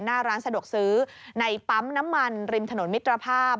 หน้าร้านสะดวกซื้อในปั๊มน้ำมันริมถนนมิตรภาพ